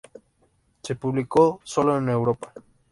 Se publicó sólo en Europa.